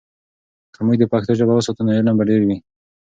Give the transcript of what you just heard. که موږ د پښتو ژبه وساتو، نو علم به ډیر وي.